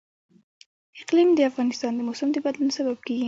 اقلیم د افغانستان د موسم د بدلون سبب کېږي.